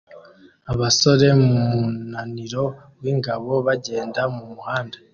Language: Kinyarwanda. abasore mumunaniro wingabo bagenda mumuhanda